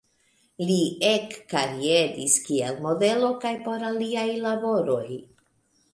Li ekkarieris kiel modelo kaj por aliaj laboroj.